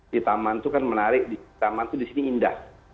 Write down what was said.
di taman itu kan menarik di taman itu di sini indah